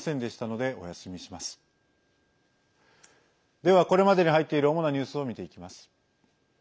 では、これまでに入っている主なニュースを見ていきます。